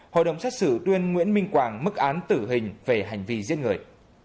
hội đồng xét xử tuyên nguyễn minh quảng mức án tử hình về hành vi giết người